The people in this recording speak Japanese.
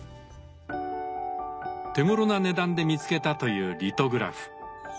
手ごろな値段で見つけたというリトグラフ。